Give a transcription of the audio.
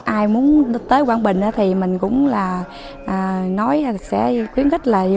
ai muốn tới quảng bình thì mình cũng là nói sẽ khuyến khích lại